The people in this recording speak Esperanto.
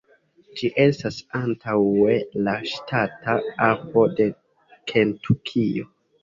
Ĝi estis antaŭe la ŝtata arbo de Kentukio.